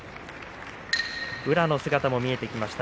宇良の姿も見えています。